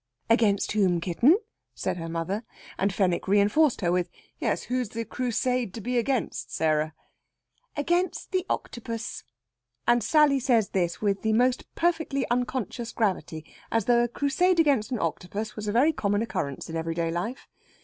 "Against whom, kitten?" said her mother. And Fenwick reinforced her with, "Yes, who's the Crusade to be against, Sarah?" "Against the Octopus." And Sally says this with the most perfectly unconscious gravity, as though a Crusade against an octopus was a very common occurrence in every day life.